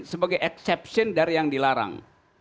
sebagai acception dari yang dilarang